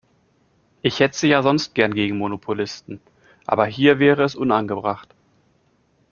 Ich hetze ja sonst gerne gegen Monopolisten, aber hier wäre es unangebracht.